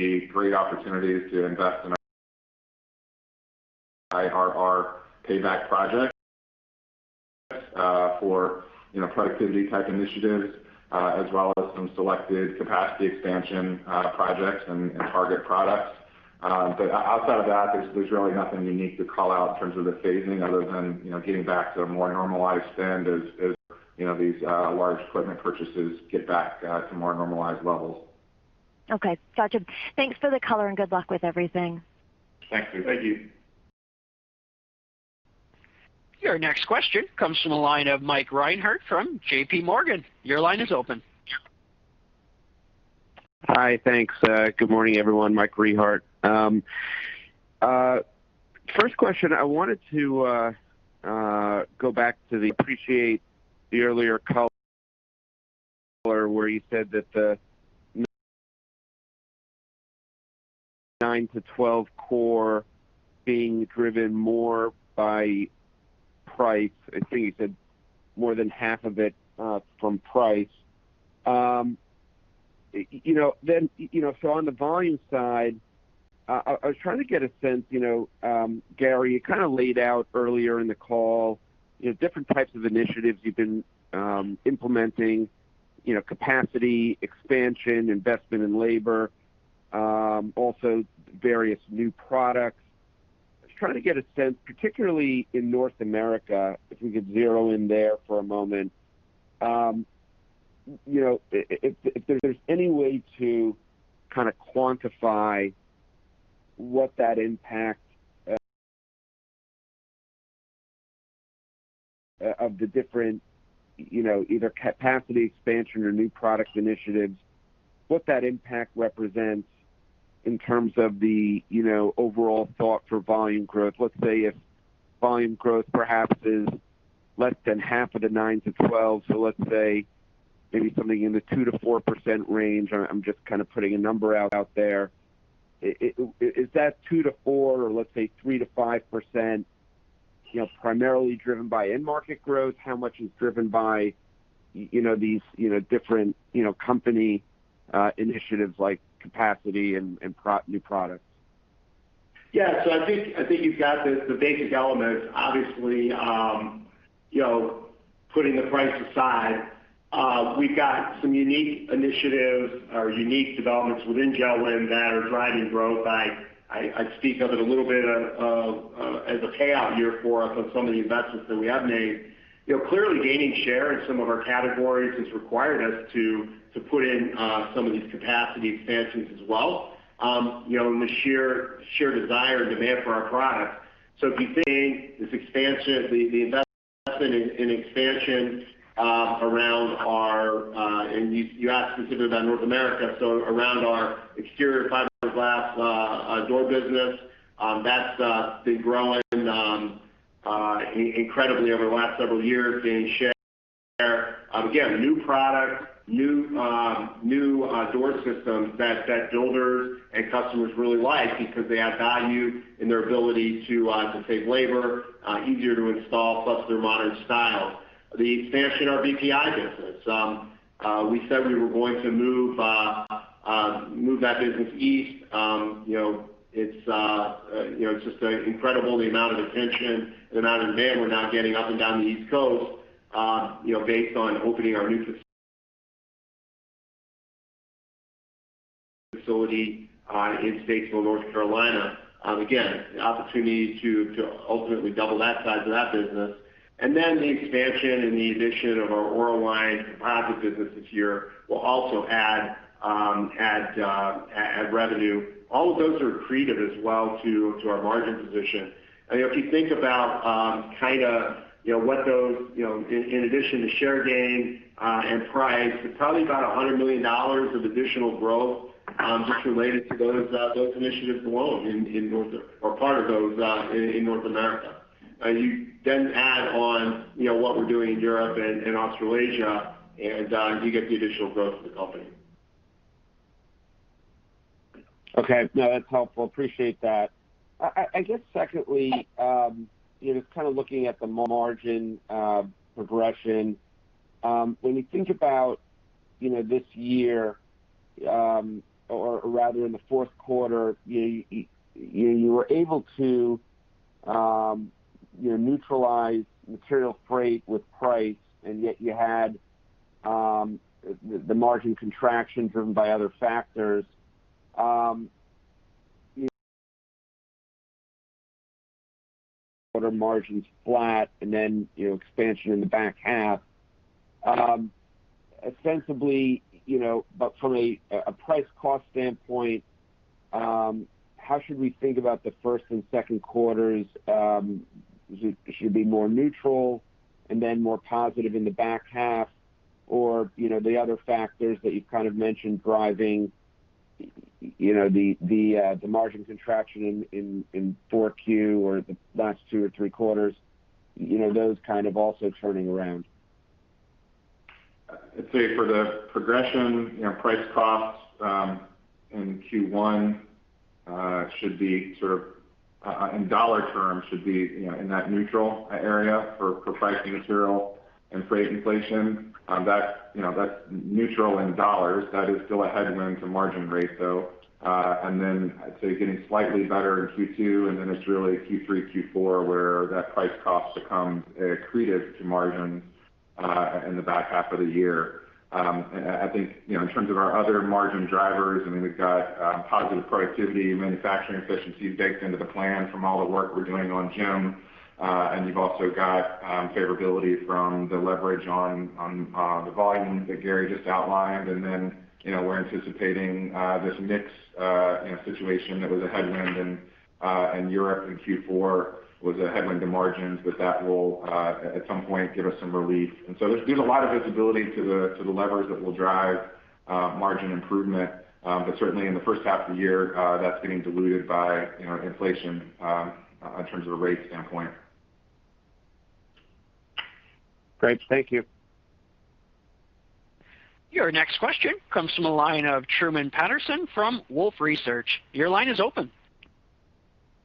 Speaker 3: would be great opportunities to invest in our payback projects, you know, for productivity type initiatives, as well as some selected capacity expansion projects and target products. Outside of that, there's really nothing unique to call out in terms of the phasing other than you know, getting back to a more normalized spend as you know, these large equipment purchases get back to more normalized levels.
Speaker 10: Okay. Gotcha. Thanks for the color, and good luck with everything.
Speaker 3: Thank you.
Speaker 1: Your next question comes from the line of Mike Rehaut from JP Morgan. Your line is open.
Speaker 11: Hi. Thanks. Good morning, everyone. Mike Rehaut. First question, I wanted to go back to that. Appreciate the earlier color where you said that the 9-12 core being driven more by price. I think you said more than half of it from price. You know, then, you know, so on the volume side, I was trying to get a sense, you know, Gary, you kind of laid out earlier in the call, you know, different types of initiatives you've been implementing, you know, capacity expansion, investment in labor, also various new products. I was trying to get a sense, particularly in North America, if we could zero in there for a moment. You know, if there's any way to quantify what that impact of the different, you know, either capacity expansion or new product initiatives, what that impact represents in terms of the, you know, overall thought for volume growth. Let's say if volume growth perhaps is less than half of the 9%-12%, let's say maybe something in the 2%-4% range. I'm just putting a number out there. Is, is that 2%-4%, or let's say 3%-5%, you know, primarily driven by end market growth? How much is driven by, you know, these, you know, different, you know, company initiatives like capacity and new products?
Speaker 3: Yeah. I think you've got the basic elements. Obviously, you know, putting the price aside, we've got some unique initiatives or unique developments within JELD-WEN that are driving growth. I'd speak of it a little bit as a payout year for us on some of the investments that we have made. You know, clearly gaining share in some of our categories has required us to put in some of these capacity expansions as well, you know, in the sheer desire and demand for our products. If you think this expansion, the investment in expansion around our exterior fiberglass door business. You asked specifically about North America, so that's been growing incredibly over the last several years, gaining share. Again, new door systems that builders and customers really like because they add value in their ability to save labor, easier to install, plus their modern style. The expansion in our VPI business. We said we were going to move that business east. You know, it's just a incredible the amount of attention, the amount of demand we're now getting up and down the East Coast, you know, based on opening our new facility in Statesville, North Carolina. Again, the opportunity to ultimately double that size of that business. The expansion and the addition of our Auraline composite business this year will also add revenue. All of those are accretive as well to our margin position. You know, if you think about kinda you know what those you know in addition to share gain and price, it's probably about $100 million of additional growth just related to those initiatives alone in North America. You then add on, you know, what we're doing in Europe and Australasia, and you get the additional growth of the company.
Speaker 11: Okay. No, that's helpful. Appreciate that. I guess secondly, you know, just kind of looking at the margin progression, when you think about, you know, this year, or rather in the Q4, you were able to, you know, neutralize material freight with price, and yet you had the margin contraction driven by other factors. You know, quarter margins flat and then, you know, expansion in the back half. Ostensibly, you know, but from a price cost standpoint, how should we think about the Q1 and Q2? Should it be more neutral and then more positive in the back half? Or, you know, the other factors that you've kind of mentioned driving, you know, the margin contraction in Q4 or the last two or three quarters, you know, those kind of also turning around.
Speaker 4: I'd say for the progression, you know, price costs in Q1 should be sort of in dollar terms, you know, in that neutral area for pricing material and freight inflation. And that, that, you know, that's neutral in dollars. That is still a headwind to margin rates, though. I'd say getting slightly better in Q2, and then it's really Q3, Q4, where that price cost becomes accretive to margin in the back half of the year. And I think, you know, in terms of our other margin drivers, I mean, we've got positive productivity and manufacturing efficiencies baked into the plan from all the work we're doing on JEM. You've also got favorability from the leverage on the volume that Gary just outlined. And then, you know, we're anticipating this mix, you know, situation that was a headwind in Europe in Q4 was a headwind to margins, but that will at some point give us some relief. So there's a lot of visibility to the levers that will drive margin improvement. And but certainly in the first half of the year, that's getting diluted by you know inflation in terms of a rate standpoint.
Speaker 11: Great. Thank you.
Speaker 1: Your next question comes from the line of Truman Patterson from Wolfe Research. Your line is open.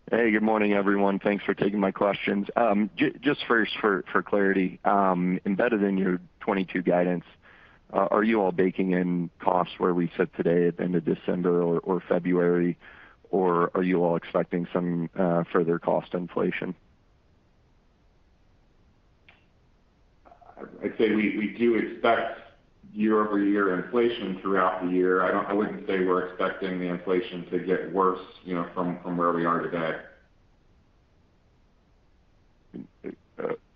Speaker 12: Hey, good morning, everyone. Thanks for taking my questions. Just first for clarity, embedded in your 2022 guidance, are you all baking in costs where we sit today at the end of December or February, or are you all expecting some further cost inflation?
Speaker 3: I'd say we do expect year-over-year inflation throughout the year. I wouldn't say we're expecting the inflation to get worse, you know, from where we are today.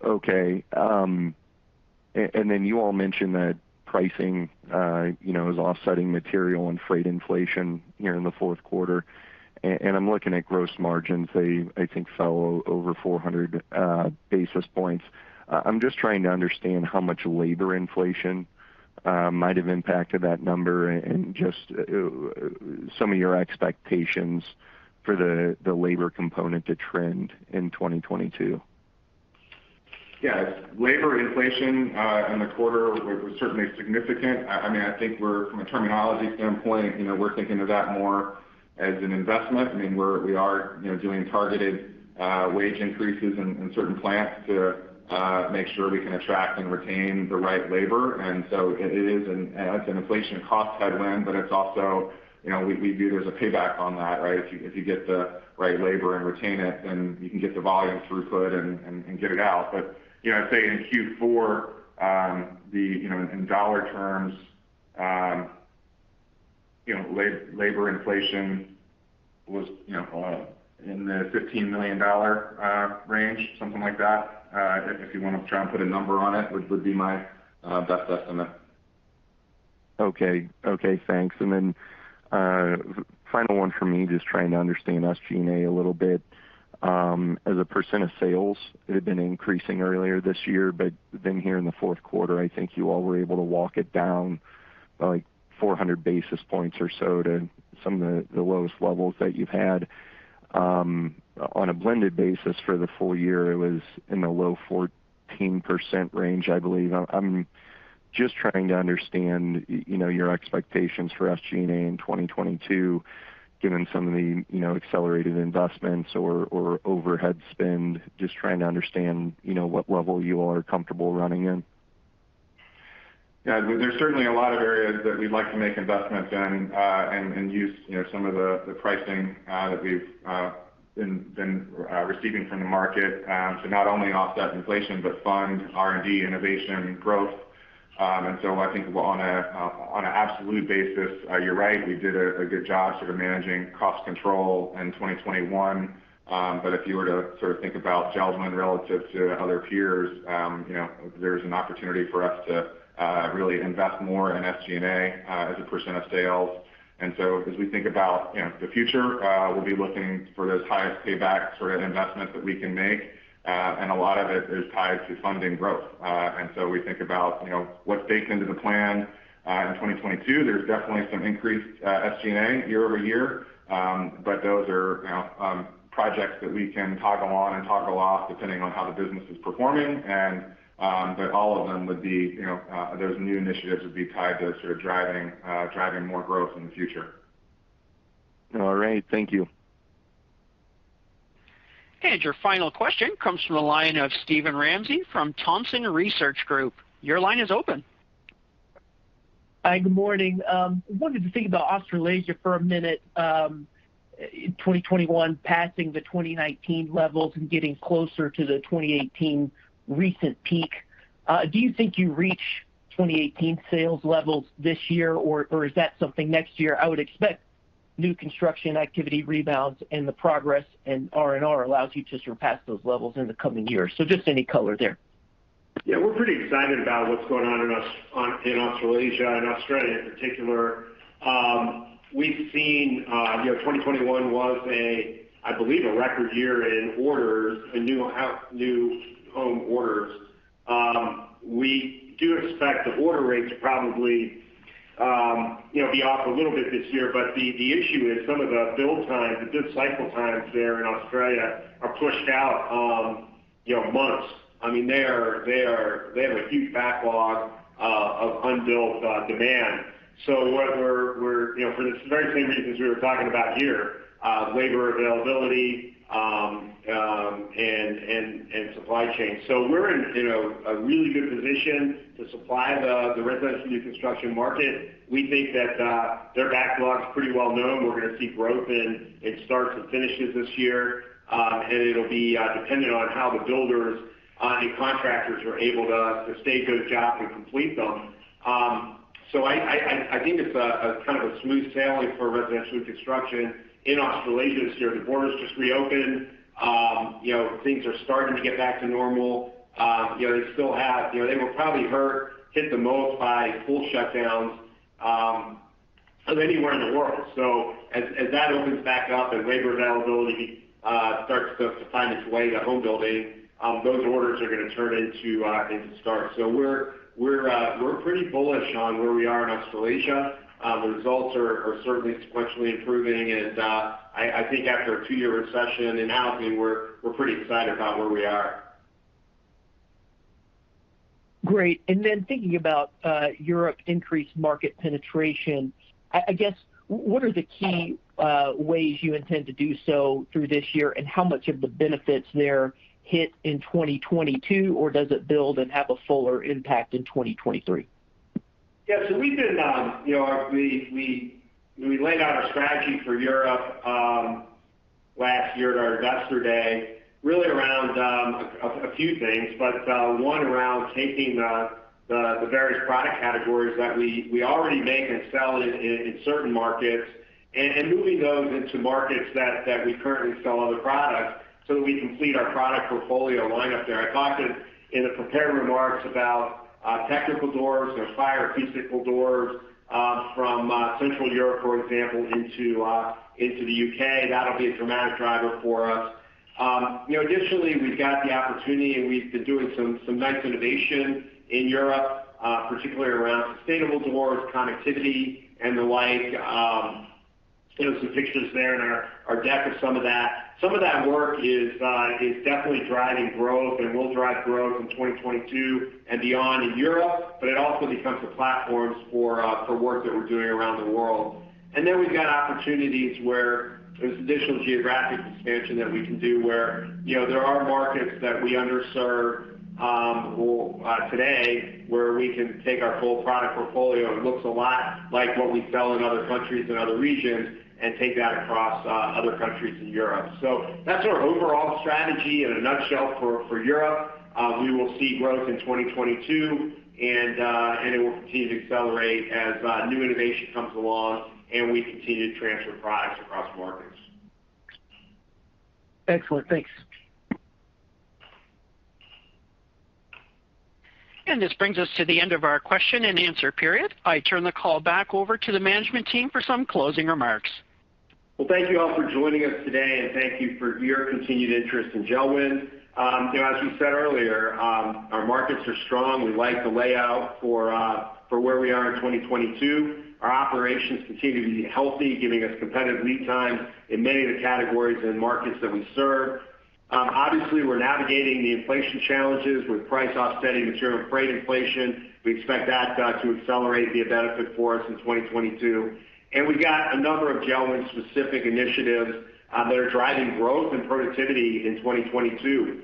Speaker 12: Okay. And then you all mentioned that pricing, you know, is offsetting material and freight inflation here in the Q4. And I'm looking at gross margins, they, I think, fell over 400 basis points. I'm just trying to understand how much labor inflation might have impacted that number and just some of your expectations for the labor component to trend in 2022.
Speaker 3: Yeah. Labor inflation in the quarter was certainly significant. I mean, I think we're from a terminology standpoint, you know, we're thinking of that more as an investment. I mean, we are, you know, doing targeted wage increases in certain plants to make sure we can attract and retain the right labor. And so it is an inflation cost headwind, but it's also, you know, we view there's a payback on that, right? If you get the right labor and retain it, then you can get the volume throughput and get it out. But I'd say in Q4, you know, in dollar terms, labor inflation was, you know, in the $15 million range, something like that. If you wanna try and put a number on it, which would be my best estimate.
Speaker 12: Okay. Okay, thanks. And then final one for me, just trying to understand SG&A a little bit. As a percent of sales, it had been increasing earlier this year, but then here in the Q4, I think you all were able to walk it down by 400 basis points or so to some of the lowest levels that you've had. On a blended basis for the full year, it was in the low 14% range, I believe. I'm just trying to understand, you know, your expectations for SG&A in 2022, given some of the, you know, accelerated investments or overhead spend. Just trying to understand, you know, what level you all are comfortable running in.
Speaker 3: Yeah. There's certainly a lot of areas that we'd like to make investments in, and use, you know, some of the pricing that we've been receiving from the market to not only offset inflation, but fund R&D, innovation, growth. And so I think on an absolute basis, you're right, we did a good job sort of managing cost control in 2021. But if you were to sort of think about JELD-WEN relative to other peers, you know, there's an opportunity for us to really invest more in SG&A as a percent of sales. And so as we think about, you know, the future, we'll be looking for those highest payback sort of investments that we can make. A lot of it is tied to funding growth. And so we think about what's baked into the plan in 2022. There's definitely some increased SG&A year over year. Those are, you know, projects that we can toggle on and toggle off depending on how the business is performing. And all of them would be, you know, those new initiatives tied to sort of driving more growth in the future.
Speaker 12: All right. Thank you.
Speaker 1: Your final question comes from the line of Steven Ramsey from Thompson Research Group. Your line is open.
Speaker 13: Hi, good morning. I wanted to think about Australasia for a minute. In 2021 passing the 2019 levels and getting closer to the 2018 recent peak. Do you think you reach 2018 sales levels this year or is that something next year? I would expect new construction activity rebounds and the progress in R&R allows you to surpass those levels in the coming years. Just any color there.
Speaker 3: Yeah, we're pretty excited about what's going on in Australasia, in Australia in particular. We've seen, you know, 2021 was, I believe, a record year in orders and new home orders. We do expect the order rates probably, you know, be off a little bit this year. But the issue is some of the build times, the build cycle times there in Australia are pushed out, you know, months. I mean, they have a huge backlog of unbuilt demand. So what we're, we're you know, for the very same reasons we were talking about here, labor availability, and, and supply chain. We're in, you know, a really good position to supply the residential new construction market. We think that their backlog's pretty well known. We're gonna see growth in starts and finishes this year. It'll be dependent on how the builders and contractors are able to stay good at jobs and complete them. So I think it's kind of smooth sailing for residential new construction in Australasia this year. The border's just reopened. You know, things are starting to get back to normal. You know, they were probably hit the most by full shutdowns of anywhere in the world. So as that opens back up and labor availability starts to find its way to home building, those orders are gonna turn into starts. So we're, we're pretty bullish on where we are in Australasia. The results are certainly sequentially improving. I think after a two-year recession in housing, we're pretty excited about where we are.
Speaker 13: Great. And the thinking about Europe increased market penetration, I guess, what are the key ways you intend to do so through this year, and how much of the benefits there hit in 2022, or does it build and have a fuller impact in 2023?
Speaker 3: Yeah. So we've been, you know, we, we, we laid out our strategy for Europe last year at our Investor Day really around a few things, but one around taking the various product categories that we already make and sell in certain markets and moving those into markets that we currently sell other products so that we can complete our product portfolio lineup there. I talked in the prepared remarks about technical doors or fire-technical doors from Central Europe, for example, into the U.K. That'll be a dramatic driver for us. You know, additionally, we've got the opportunity, and we've been doing some nice innovation in Europe, particularly around sustainable doors, connectivity and the like. There's some pictures there in our deck of some of that. Some of that work is definitely driving growth and will drive growth in 2022 and beyond in Europe, but it also becomes the platforms for work that we're doing around the world. And then we've got opportunities where there's additional geographic expansion that we can do where, you know, there are markets that we underserved, well, today where we can take our full product portfolio. It looks a lot like what we sell in other countries and other regions and take that across other countries in Europe. So that's our overall strategy in a nutshell for Europe. We will see growth in 2022 and it will continue to accelerate as new innovation comes along and we continue to transfer products across markets.
Speaker 13: Excellent. Thanks.
Speaker 1: This brings us to the end of our question and answer period. I turn the call back over to the management team for some closing remarks.
Speaker 3: Well, thank you all for joining us today, and thank you for your continued interest in JELD-WEN. You know, as we said earlier, our markets are strong. We like the layout for where we are in 2022. Our operations continue to be healthy, giving us competitive lead time in many of the categories and markets that we serve. Obviously, we're navigating the inflation challenges with price offsetting material freight inflation. We expect that to accelerate, be a benefit for us in 2022. And we've got a number of JELD-WEN specific initiatives that are driving growth and productivity in 2022.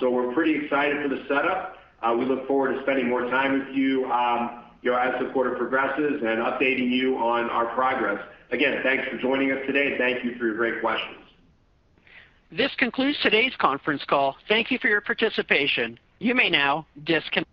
Speaker 3: So we're pretty excited for the setup. We look forward to spending more time with you know, as the quarter progresses and updating you on our progress. Again, thanks for joining us today, and thank you for your great questions.
Speaker 1: This concludes today's conference call. Thank you for your participation. You may now disconnect.